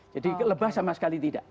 jadi lebah sama sekali tidak